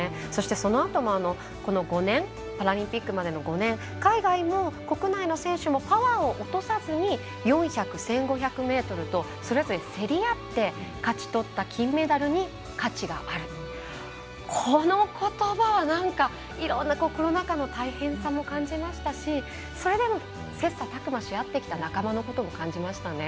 そのあともパラリンピックまでの５年海外も国内の選手もパワーを落とさずに４００、１５００ｍと競り合って勝ち取った金メダルに価値がある、このことばはなんか、いろんなコロナ禍の大変さも感じましたしそれでも、切さたく磨しあってきた仲間のことも感じましたね。